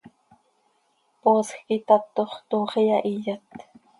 Poosj quih itatox, toox iyahiyat.